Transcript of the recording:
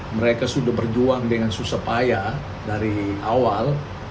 mereka sudah berjuang dengan susah payah dari awal